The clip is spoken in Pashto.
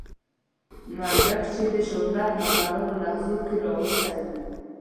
منډک چې د شهوت ناکرار لحظو کې راوستی و.